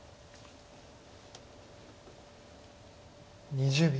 ２０秒。